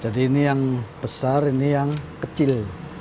jadi ini yang besar ini yang kecil